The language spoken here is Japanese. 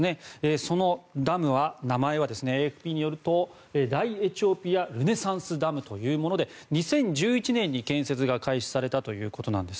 そのダムの名前はＡＦＰによると大エチオピア・ルネサンスダムというもので２０１１年に建設が開始されたということなんです。